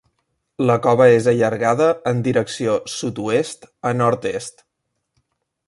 La cova és allargada, en direcció sud-oest a nord-est.